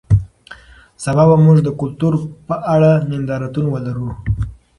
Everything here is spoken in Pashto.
سبا به موږ د کلتور په اړه نندارتون ولرو.